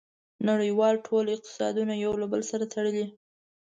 • نړیوالتوب ټول اقتصادونه یو له بل سره تړلي.